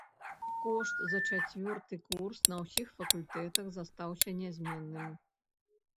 Кошт за чацвёрты курс на ўсіх факультэтах застаўся нязменным.